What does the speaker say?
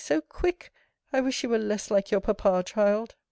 so quick! I wish you were less like your papa, child!